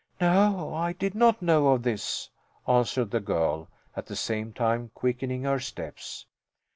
"No, I did not know of this," answered the girl, at the same time quickening her steps.